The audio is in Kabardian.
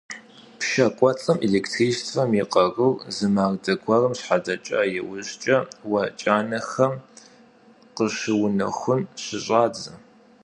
Пшэ кӏуэцӏым электричествэм и къарур зы мардэ гуэрым щхьэдэха иужькӏэ, уэ кӏанэхэм къыщыунэхун щыщӏадзэ.